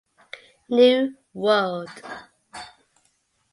New world.